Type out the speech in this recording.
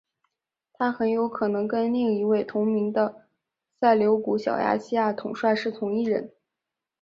他很有可能跟另一位同名的塞琉古小亚细亚统帅是同一人。